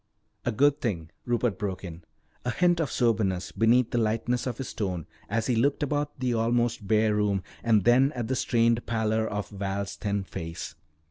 "A good thing," Rupert broke in, a hint of soberness beneath the lightness of his tone as he looked about the almost bare room and then at the strained pallor of Val's thin face.